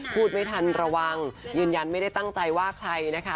พูดไม่ทันระวังยืนยันไม่ได้ตั้งใจว่าใครนะคะ